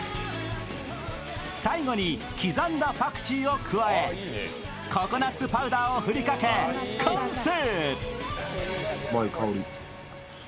最後に刻んだパクチーを加え、ココナツパウダーをふりかけ完成。